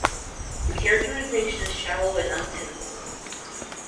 The characterization is shallow and untenable.